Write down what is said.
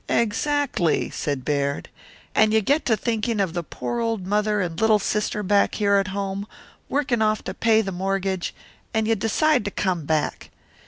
"Exactly," said Baird. "And you get to thinking of the poor old mother and little sister back here at home, working away to pay off the mortgage, and you decide to come back.